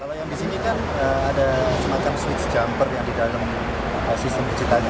ada semacam switch jumper yang di dalam sistem kecintanya